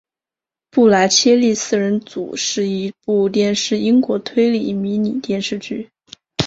布莱切利四人组是一部电视英国推理迷你电视剧。